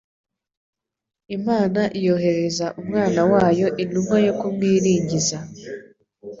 Imana yoherereza Umwana wayo intumwa yo kumwiringiza.